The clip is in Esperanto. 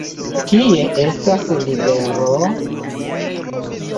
Kie estas Libero?